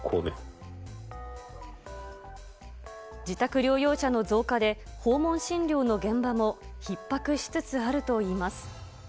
自宅療養者の増加で、訪問診療の現場もひっ迫しつつあるといいます。